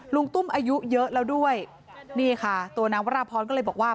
ลุงตุ้มอายุเยอะแล้วด้วยนี่ค่ะตัวนางวราพรก็เลยบอกว่า